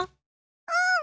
うん！